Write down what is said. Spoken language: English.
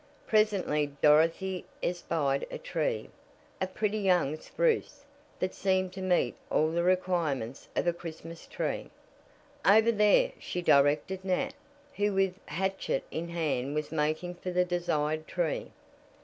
Presently Dorothy espied a tree a pretty young spruce that seemed to meet all the requirements of a Christmas tree. "Over there," she directed Nat, who with hatchet in hand was making for the desired tree.